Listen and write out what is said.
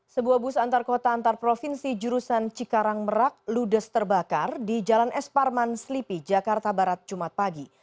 sebuah bus antar kota antar provinsi jurusan cikarang merak ludes terbakar di jalan es parman slipi jakarta barat jumat pagi